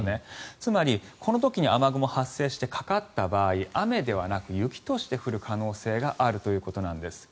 つまり、この時に雨雲が発生してかかった場合雨ではなく雪として降る可能性があるということなんです。